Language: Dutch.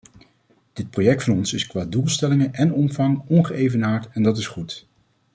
Dit project van ons is qua doelstellingen en omvang ongeëvenaard en dat is goed.